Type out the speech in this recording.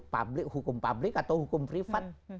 publik hukum publik atau hukum privat